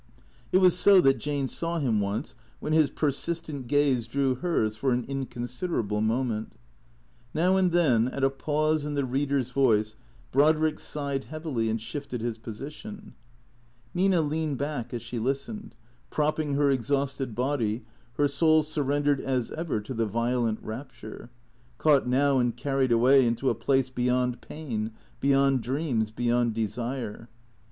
It was so that Jane saw him, once, when his persistent gaze drew hers for an inconsiderable moment. Now and then, at a pause in the reader's voice, Brodrick sighed heavily and shifted his position. Nina leaned back as she listened, propping her exhausted body, her soul surrendered as ever to the violent rapture; caught now and carried away into a place beyond pain, beyond dreams, beyond desire.